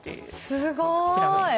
すごい。